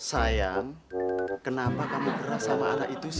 sayang kenapa kamu keras sama anak itu